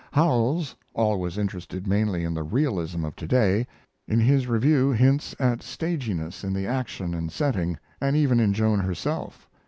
Howells, always interested mainly in the realism of to day, in his review hints at staginess in the action and setting and even in Joan herself.